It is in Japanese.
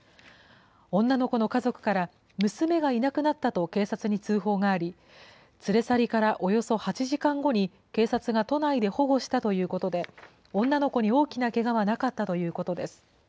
女の子の家族から娘がいなくなったと警察に通報があり、連れ去りからおよそ８時間後に、警察が都内で保護したということで、女の子に大きなけがはなかったということです。